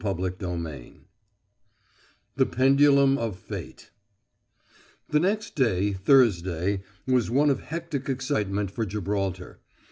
CHAPTER XVI THE PENDULUM OF FATE The next day, Thursday, was one of hectic excitement for Gibraltar.